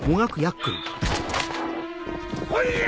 来いや！